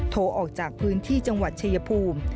ออกจากพื้นที่จังหวัดชายภูมิ